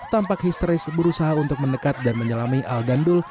tampak histeris berusaha untuk mendekat dan menyelami al dandul